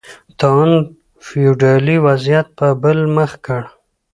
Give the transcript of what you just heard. طاعون فیوډالي وضعیت په بل مخ کړ